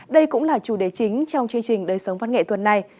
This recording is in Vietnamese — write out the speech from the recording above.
đây cũng là chủ đề chính trong chương trình đời sống văn nghệ tuần này